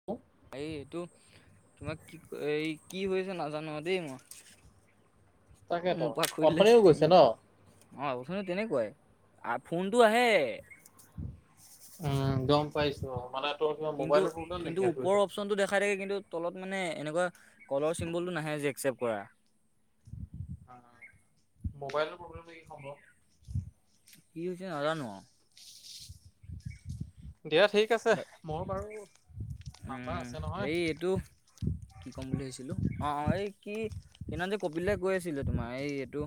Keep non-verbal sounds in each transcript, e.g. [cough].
[unintelligible] এইটো তোমাক কি এই কি হৈছে নাজানো দেই মই মো তাকেতো পা খুইলে অথনিও ছে গৈছে ন মো- অ উঠনি তেনেকুৱাই আ ফোনটো আহে উম গম পাইছো অ মানে তোৰ কিবা কিন্তু মোবাইলৰ প্ৰব্লেম কিন্তু নেকি আৰু ওপৰৰ এইটো অপশ্যনটো দেখাই থাকে কিন্তু তলত মানে এনেকুৱা কলৰ চিম্বলটো নাহে যে একচেপ্ট কৰা মোবাইলৰ প্ৰব্লেমটো নেকি সম্ভৱ কি হৈছে নাজানো আও দিয়া ঠিক আছে মই বাৰু উ নাম্বাৰ আছে নহয় সেৰি এইটো কি ক'ম বুলি ভাবিছিলো অ এই কি সেইদিনাখন যে কপিল দাই কৈ আছিলে তোমাৰ এইটো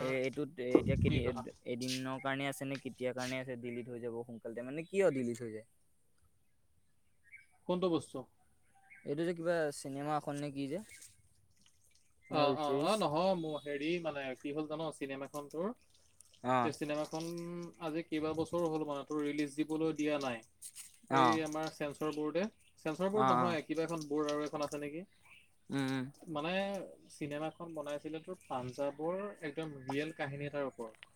উম এইটোত এতিয়া কি কেদিন কথা এদিনৰ কাৰণে আছে নে কেতিয়াৰ কাৰণে আছে দিলিট হৈ যাব সো কালে মানে কিয় দিলিট হৈ যায় কোনটো বস্তু এইটো যে কিবা চিনেমা এখন নে কি যে অ ৱেব অ অ ছিৰিজ। নহয় মোৰ হেৰি মানে কি হ'ল জান চিনেমা খন অ', তোৰ চিনেমা খন আজি কেইবা বছৰো হ'ল মানে তোৰ ৰিলিছ দিবলে দিয়া নাই অ', এই আমাৰ ছেলচ চৰ বৰ্ডে চেঞ্চৰ বৰ্ড অ', অ', নহয় কিবা এখন বৰ্ড আৰু এখন আছে নেকি উম উম মানে চিনেমা খন বনাইছিল তো পাঞ্জাৱৰ একদম ৰিয়েল কাহিনী এটাৰ ওপৰত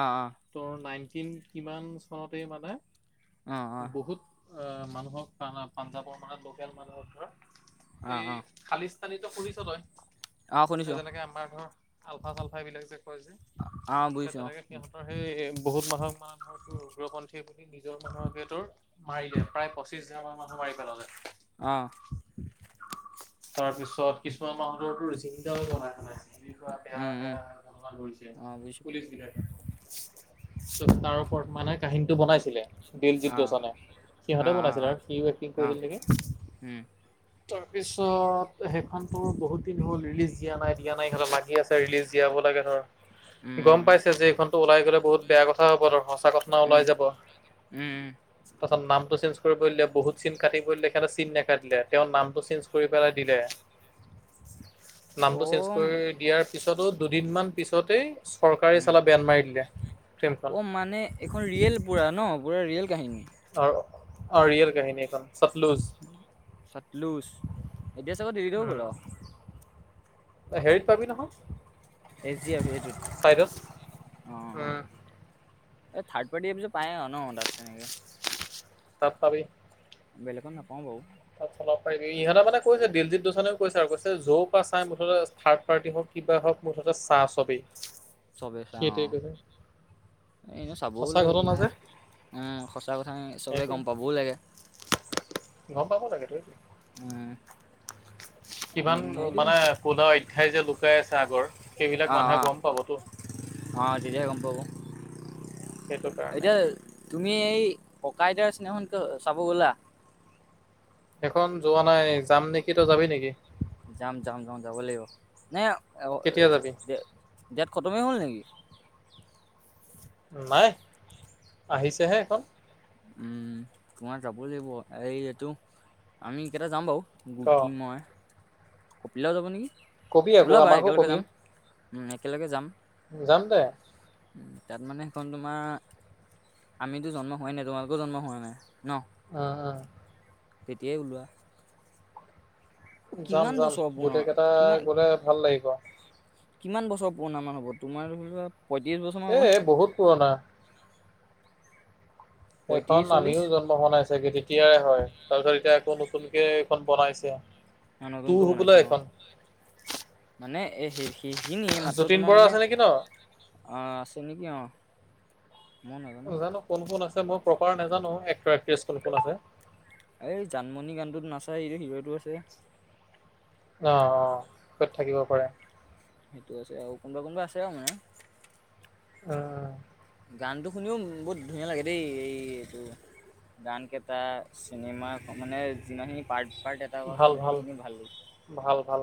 অ অ ত নাইনটিন কিমান চনতে মানে অ', অ', বহুত আহ মানুহক পাঞ্জাৱৰ মানে লোকেল মানুহক ধৰক অ', এই অ', খালিস্তানী ত শুনিছ তই অ', শুনিছোঁ যেনেকে আমাৰ ধৰ আলফা-চালফা এইবলাক যে কয় অ', যে বুজিছোঁ অ', তেনেকে সিহঁতৰ সেই বহুত মানুহক মানে উগ্ৰপন্থী বুলি নিজৰ মানুহকে তোৰ মাৰিলে প্ৰায় পঁচিশ হাজাৰ মান মানুহ মাৰি পেলালে অ তাৰপিছত কিছুমান মানুহৰটো ছিঙডাল লগাই থোৱা নাই এনেকোৱা বেয়া উম, উম, বেয়া অসন্মান কৰিছে অ', বুজিছোঁ পুলিচ বিলকে তাৰ ওপৰত মানে কাহিনীটো বনাইছিলে দিলজিত অ', দোচনে অ', সিহঁতে অ', বনাইছিল অ', আৰু সিও এক্টিং অ', কৰিছিল নেকি। উম', তাৰ পিছত, সেইখন তোৰ বহুত দিন হ'ল ৰিলিজ দিয়া নাই - দিয়া নাই সিহঁতে লাগিয়ে আছে', ৰিলিজ দিয়াব লাগে ধৰ', গম উম, পাইছে যে এইখনতো ওলাই গ'লে বহুত বেয়া কথা হ'ব ধৰ সঁচা ঘটনা উম, ওলাই যাব', উম', - উম', তাৰ পিছত নামটো চেঞ্জ কৰিব দিলে বহুত চিন কাটিব দিলে তেখেতে চিন নাকাটিলে', তেওঁৰ নামটো চেঞ্জ কৰি পেলাই দিলে, নামটো চেঞ্জ অ' কৰি দিয়াত', পিছতো দুদিনমান পিছতেই চৰকাৰে উম, চালা বেন মাৰি দিলে, ফ্লিমখন', অ', মানে এইখন ৰিয়েল পোৰা ন, পোৰা ৰিয়েল কাহিনী', অ', - অ', ৰিয়েল কাহিনী এখন', উম', -উম', চাতলুজ, এতিয়া চাবা দেৰিকৈ ল'ব', তই হেৰিত পাবি এইচ ডি এফ এইটোত নহয়, চাইডছ, অ', অ', উম', এই থাৰ্ড পাৰ্টিয়ে এবোৰ যে পাই আৰু ন তাত তেনেকে', তাত পাবি', বেলেগত নাপাওঁ বাৰু', তাত চলাব পাৰিবি, ইহঁতৰ মানে কৈছে দিলজিৎ দোসাঞ্জেও কৈছে আৰু কৈছে 'জো পাছ আয়ে' মুঠতে থাৰ্ড পাৰ্টি হওঁক ', কিবা হওঁক, মুঠতে চাহ চবেই', চবে চাও সেইটোৱে অ', কৈছে এই এনেও চাবও সঁচা লাগে ঘটনা দিয়া, যে উম', সঁচা কথাখিনি চবেই সেইটোৱে গম পাবও লাগে', গম পাব লাগেতো', উম', কিমান উম, ও সেইটো ক মানে কোলা অধ্যায় যে লুকাই আছে আগৰ সেইবিলাক মানুহে গম পাবতো', অহ', তেতিয়াহে গম পাব, সেইটো কাৰণে এতিয়া', তুমি এই ককা - আইতাৰ চিনেমাখনক চাব গ'লা? সেইখন যোৱা নাই যাম নেকি, তই যাবি নেকি? যাম - যাম - যাম যাব লাগিব, নে অ', - কেতিয়া এ', যাবি -ই', ডেট খটমেই হ'ল নেকি? নাই, আহিছে হে সেইখন', উম', তোমাৰ যাবই লাগিব এই - এইটো, আমি কেইটা যাম বাৰু', ক গুটি মই', কপিল দা ও যাব নেকি? কবি আকৌ ওলাবা আমাকো একেলগে কবি যাম, উম', একেলগে যাম', যাম দে', উম', তাত মানে সেইখন তোমাৰ', আমিতো জন্ম হোৱাই নাই, তোমালোকো জন্ম হোৱা নাই ন', অহ', -অহ', -অহ', এতিয়াই ওলোৱা', অ, যাম কিমান - যাম, বছৰ পুৰণা গোটেই কেইটাই কিমান গ'লে ভাল লাগিব', কিমান বছৰ পুৰণা মান হ'ব, তোমাৰ ধৰি লোৱা? পয়ত্ৰিছ বছৰ', মান এ', - হ'বনে এই', বহুত পুৰণা', সেইখন পঁয়ত্ৰিশ চল্লিশ আমিও জন্ম হোৱা নাই চাগে তেতিয়াৰে হয়, তাৰপিছত এতিয়া আকৌ নতুনকে এইখন বনাইছে', এয়া টু নতুনকৈ হবলা বনাইছে অ', এইখন মানে এ সেই', - সেইখিনিয়ে মাত্ৰ যতীন তোমাৰ বৰা মানে', আছে নেকি ন অহ', আছোঁ নেকি? অ', মই নাজানো নাজানোঁ কোন কোন আছে মই প্ৰপাৰ নাজানোঁ এক্টৰ - এক্ট্ৰেছ কোন কোন আছে', এই জানমণি গানটোত নচা এইটো হিৰোটো আছে', অ', - অ', তাত থাকিব পাৰে', সেইটো আছে আৰু কোনোবা কোনোবা আছে আৰু মানে', অহ', গানটো শুনিও উম', বহুত ধুনীয়া লাগে দেই এই - এইটো', গান কেইটা, চিনেমা মানে যিমানখিনি পাৰ্ট-পাৰ্ট আছে', ভাল ভাল গোটেইখিনি লাগিছে ভাল ভাল।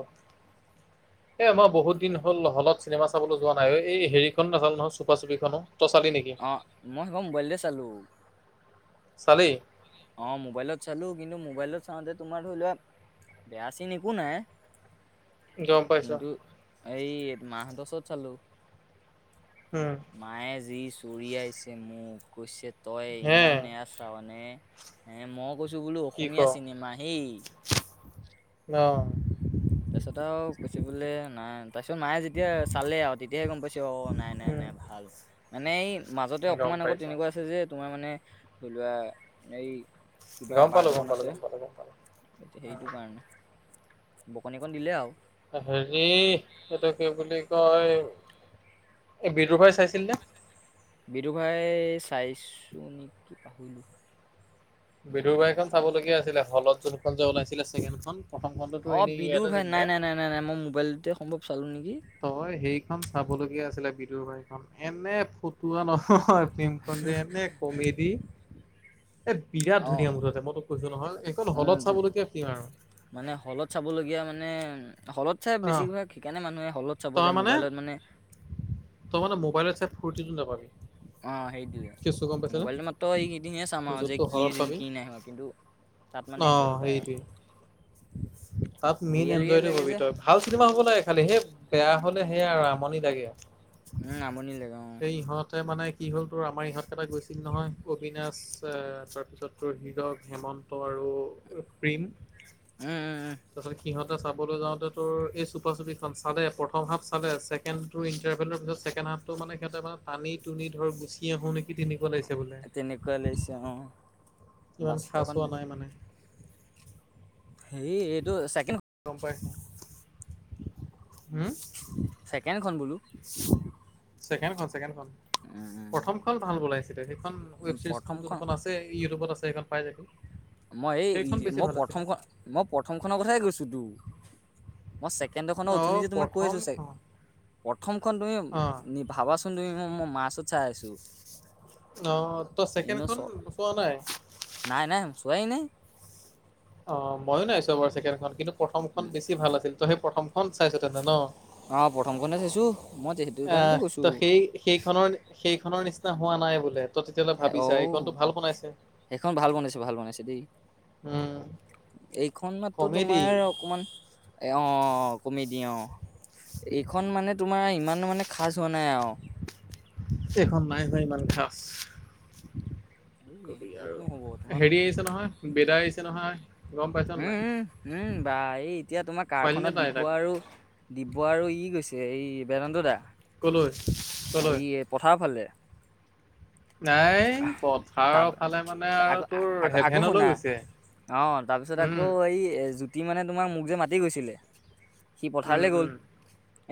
[unintelligible] এ আমাৰ বহুত দিন হ'ল হলত চিনেমা চাবলৈ যোৱা নাই এই হেৰিখন নহ'ল নহয় চুপা চুপি খনো তই চালি নেকি? অঁ মই সেইখন মোবাইলতে চালোঁ। চালি অঁ মোবাইলত চালো কিন্তু মোবাইলত চাওঁতে তোমাৰ ধৰি লোৱা। বেয়া চিন একো নাই। গম পাইছো কিন্তু এই মা হঁতৰ ওচৰত চালোঁ। উম মায়ে যি চৰিয়াছে মোক কৈছে তই হে ইমান এয়া চাৱ নে। এ মই কৈছোঁ বোলো অসমীয়া চিনেমা সেই - অঁ তাৰপিছত আৰু কৈছে বোলে নাই তাৰপিছত মায়ে যেতিয়া চালে আৰু তেতিয়াহে গম পাইছে অ নাই নাই উম, নাই। ভাল মানে এই মাজতে গম অকণমান আগত পাইছা। তেনেকুৱা আছে যে তোমাৰ মানে ধৰি লোৱা এই- কিবা গম পালো, পাৰ্ট গম অকণ পালো, আছে গম পালো, গম পালো। এতিয়া সেইটো কাৰণে বকনি অকণ দিলে আৰু। হেৰি এইটো কি বুলি কয় এই বিদুৰভৰাই চাইছিল নে। বিদুৰ ভাই চাইছো নেকি পাহৰিলোঁ বিদুৰ বাই খন চাবলগীয়া আছিলে হলত ৰোদ খন যে ওলাইছিলে চেকেণ্ড খন। প্ৰথম খনটো অ এনে বিদুৰ ইয়াতে ভাই দি নাই দিলে। নাই নাই নাই নাই মই মোবাইলটোতে সম্ভৱ চালো নেকি? তই সেইখন চাব লগীয়া আছিলে বিদুৰভাইখন এনে ফটুৱা নহয়। ফ্লিমখন যে এনে কমেডি এ- বিৰাট অ ধুনীয়া মুঠতে মই তোক কৈছো নহয় এইখন উম হলত ধুন- চাবলগীয়া কি আৰু। মানে হলত চাবলগীয়া মানে হলত চাই অ', বেছিভাগ সেইকাৰণে মানুহে হলত। চাব তই যায় মানে মোবাইলত তই মানে মোবাইলত চাই ফুৰ্তিটো নাপাবি। অঁ কেচটো গম সেইটোৱেই পাইছনে? মোবাইলত মাত্ৰ এইকেইদিনে চাম আৰু যে কি হৈছিল কি নাই হোৱা কিন্তু। তাত মানে অঁ এনজয়টো পায় আৰু সেইটোৱে তাত মেইন ৰিয়েল ৰিয়েল এনজয়টো লাগে পাবি যে তই- ভাল চিনেমা হ'ব লাগে খালি সেই বেয়া হ'লে সেয়াই আমনি লাগে আৰু। উম আমনি লাগে অ উম সেই ইহঁতে মানে- কি হ'ল তোৰ আমাৰ ইহঁতকেইটা গৈছিল নহয়, অবিনাশ তাৰপিছত তোৰ হিৰক হেমন্ত আৰু- প্ৰেম। উম উম উম। তাৰ পাছত সিহতে চাবলৈ যাওঁতে তোৰ এই চুপা চুপীখন চালে। প্ৰথম হাফা চালে ছেকেণ্ডটো ইণ্টাৰভেলৰ পিছত ছেকেণ্ড হাফটো মানে সেতে মানে টানি টুনি ধৰ গুচি আহো নিকি - কি তেনেকুৱা লাগিছে বোলে। এনেকুৱা লৈছে অঁ অঁ। ইমান খাচ হোৱা নাই মানে। হে এইটো ছেকেণ্ড- গম পাইছা হু। ছেকেণ্ডখন বোলো। ছেকেণ্ডখন ছেকেণ্ডখন। উম উম প্ৰথমখন ভাল উলাইছিলে সেইখন উম, ৱেব চিৰিজ খন প্ৰথমখন যোনখন আছিল। ইউটিউবত আছে সেইখন পাই যাবি। মই এই সেইখন বেছি মই ভাল আছিলে প্ৰথমখন মই প্ৰথম খনৰ কথাই কৈছো তো। মই ছেকেণ্ডখনৰ অ উঠুনি যে তোমাক কৈছো চা- প্ৰথমখন প্ৰথমখন অ তুমি ভাবাচোন তুমি ম ম মা চত- অ তই এনে চ ছেকেণ্ডখন পোৱা নাই? নাই নাই চোৱাই নাই। অ মইয়ো নাইছো বাৰু ছেকেণ্ডখন কিন্তু প্ৰথমখন বেছি ভাল আছিল, ত' সেই প্ৰথমখন চাইছ তেনে ন? অ প্ৰথম খনে চাইছো, মই যে আহ ত' সেই সেইখনৰ সেইখনৰ নিচিনা হোৱা নাই বোলে। তই তেতিয়াহ'লে ভাবিছা অউ, এইখনতো ভাল বনাইছে। সেইখন ভাল বনাইছে ভাল বনাইছে দেই। উম এইখন মাত্ৰ কমেডি তোমাৰ অকমান এ অ অ অ কমেডী অ, এইখন মানে তোমাৰ ইমানো মানে খাজ হোৱা নাই আও। এখন নাই হোৱা ইমান খাঁচ। এই ক'ত নো হব তোমা নহয় বেদাই আহিছে নহয়। গম পাইছ নে উম নাই? উম, উম বা এই এতিয়া তোমাৰ পালি নে কাৰখনত তই তাক? ডিব্য আৰু ডিব্য আৰু ই গৈছে এই বেদান্ত দা। ক'লৈ ক'লৈ? এই পথাৰৰ ফালে। নাই পথাৰৰ তাৰ ফালে মানে আৰু আকৌ তোৰ আকৌ আকৌ হেভেনলৈ শুনা। গৈছে অ তাৰপিছত উম আকৌ এই জ্যোতি মানে তোমাৰ মোক যে মাতি গৈছিলে! সি উম পথাৰলৈ গ'ল। উম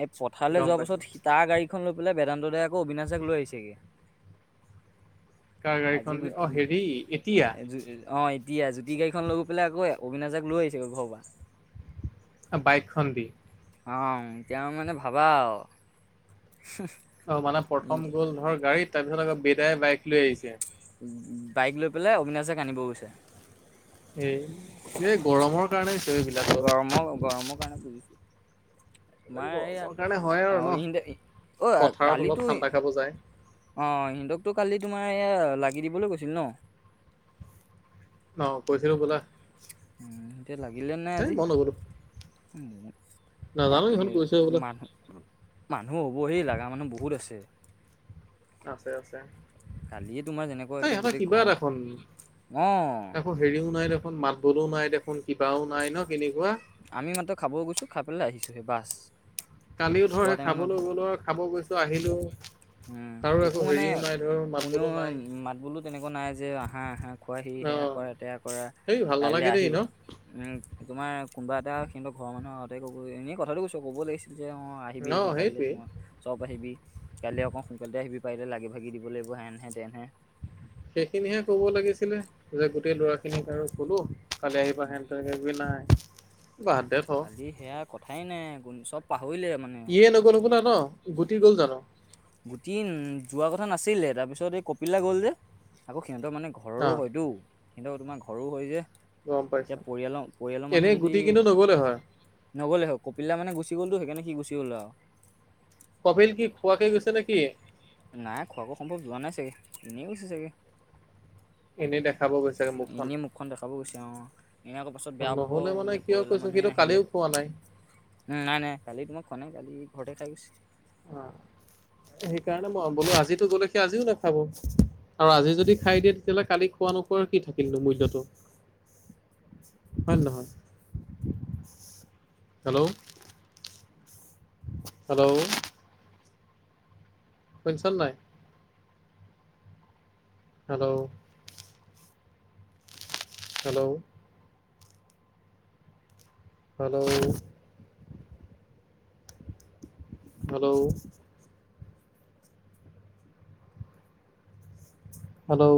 এই পথাৰলৈ গম যোৱাৰ পাইছো পাছত সি তাৰ গাড়ীখন লৈ বোলে বেদান্ত দাই আকৌ অবিনাশক দাক লৈ আহিছেগে। কাৰ আজি গাড়ীখন দি অ হেৰি এতিয়া [unintelligible] অ এতিয়া জ্যোতি গাড়ীখন লৈ গৈ পেলাই আকৌ অবিনাশ দাক লৈ আহিছে ঘৰৰ পৰা। বাইকখন দি। অ এতিয়া আৰু মানে ভাবা আও। [unintelligible] অ মানে প্ৰথম ই- গ'ল ধৰ গাড়ীত তাপিছত আকৌ বেদাই বাইক লৈ আহিছে। বাইক লৈ পেলাই অবিনাশক আনিব গৈছে। এই, এই গৰমৰ কাৰণে হৈছে অ এইবিলাক। গৰমৰ গৰমৰ কাৰণে বুজিছো। তোমাৰ গৰমৰ কাৰণে হয় এইয়া আৰু ন অইন দই অই কালিতো বুজায়। অ সিনদকটো কালি তোমাৰ এয়া লাগি দিবলৈ কৈছিল ন? অ কৈছিল হবলা। উম এতিয়া লাগিলে নে আজি? মই নগলো নাজানো আৰু ইহঁত কি গৈছে বোলা মানুহ মানুহ হ'ব সেই লগা মানুহ বহুত আছে। আছে আছে। কালিয়ে তোমাৰ যেনেকুৱা এই একে ইহঁতৰ গোটেই কিবা এটাখন গৰমত, অঁ। একো হেৰিও নাই দেখোন মাত বোলো নাই দেখোন কিবাও নাই ন' কেনেকুৱা? আমি মাত্ৰ খাবও গৈছো খাই পেলাই আহিছো হে বাচ। কালিও ধৰ সেই খাবলৈ গলো আৰু খাব গৈছো আহিলো। উম কাৰো একো মানে হেৰিও নাই ধৰ মাত কোনেও বোলো নাই মাত বোলো তেনেকুৱা নাই যে আঁহা আঁহা। খোৱাহি অ সেয়া কৰা তেয়া কৰা সেই ভাল কাইলে নালাগে দেই আহিবা। ন উম তোমাৰ কোনবা এটা সিহনত ঘৰ মানুহ আগতে কবৈ এনেই কথাটো কৈছো ক'ব লাগিছিল। যে অঁ আহিবি অ আহিবি কাইলে সেইটোৱেই তোমা চব আহিবি কালি অকৌ সোনকালটে আহিবি পাৰিলে লাগি- ভাগি দিব লাগিব হেনহে-তেনহে। সেইখিনিহে ক'ব লাগিছিলে যে গোটেই ল'ৰা খিনিক আৰু কলো কালি আহিবা সেন তয় সেই বুলি নাই। বাদ দে থ কালি সেয়া কথাই নাই কোন চব পাহৰিলে মানে। ইয়ে নগ'ল হবলা ন! গুটি গ'ল জানো? গুটি উন যোৱা কথা নাছিলে তাপিছত এই কপিলে গ'ল যে আকৌ সিহঁতৰ মানে ঘ অ ঘৰৰো হয়তো সিন্তৰ তোমাৰ ঘৰো হয় যে। গম এতিয়া পাইছো পৰিয়ালৰ পৰিয়াল মানুহ এনেই যদি গুটি কিন্তু নগ'লে হয় নগ'লে হয়। কপিলা মানে গুচি গলটো সেইকাণে সি গুচি গল আও। কপিল কি খোৱাকে গৈছে নেকি? নাই খোৱাকো সম্ভৱ যোৱা নাই চাগে, এনেই গৈছে চাগে। এনেই দেখাব গৈছে এনেই মুখখন দেখাব গৈছে অ এয়াক পাছত বেয়া পাব নহ'লে মানে বুলিলে কিয় পৰিয়াল কৈছো মানুহে সিটো নাহিলে। কালিও খোৱা নাই উম নাই নাই কালি তোমাক খোৱা নাই কালি ঘৰতে খায় গৈছে। অ' [inaudible] সেইকাৰণে মই বোলো আজিতো গ'লেকে আজিও নাখাব। আৰু আজি যদি খাই দিয়ে তেতিয়াহ'লে কালি খোৱা নোখোৱাৰ কি থাকিল নো মূল্যটো। [inaudible] হয় নহয়। হেল্ল' হেল্ল' শুনছন নাই? Hello hello hello hello hello